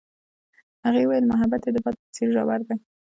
هغې وویل محبت یې د باد په څېر ژور دی.